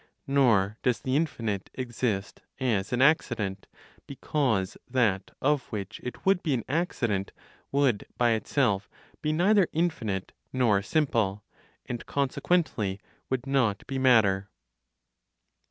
Nor does the infinite exist as an accident, because that of which it would be an accident would, by itself, be neither infinite, nor simple; and consequently, would not be matter.